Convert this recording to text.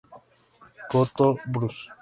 Coto Brus.